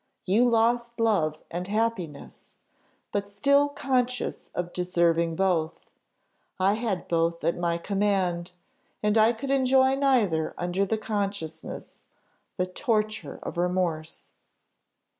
You lost love and happiness, but still conscious of deserving both: I had both at my command, and I could enjoy neither under the consciousness, the torture of remorse."